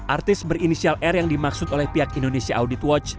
artis berinisial r yang dimaksud oleh pihak indonesia audit watch